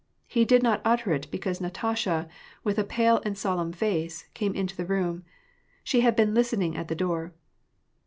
He did not utter it, because Natasha, with a pale and solemn face, came into the room : she had been listening at the door.